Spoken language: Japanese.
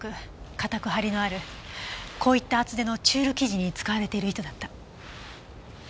硬くハリのあるこういった厚手のチュール生地に使われている糸だった。